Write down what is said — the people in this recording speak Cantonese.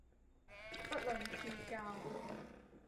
不吝賜教